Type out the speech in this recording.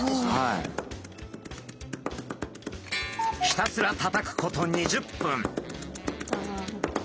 ひたすらたたくこと２０分。